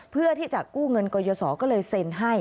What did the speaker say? เพื่อที่จะกู้เงินกยศก็เลยเซ็นให้